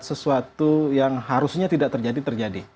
sesuatu yang harusnya tidak terjadi terjadi